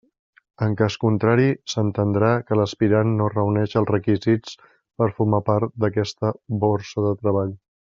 En cas contrari, s'entendrà que l'aspirant no reuneix els requisits per a formar part d'aquesta borsa de treball.